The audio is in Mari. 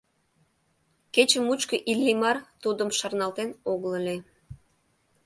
Кече мучко Иллимар тудым шарналтен огыл ыле.